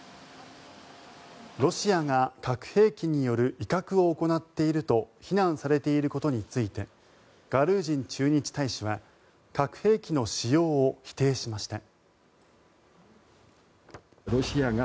ロシアが核兵器による威嚇を行っていると非難されていることについてガルージン駐日大使は核兵器の使用を否定しました。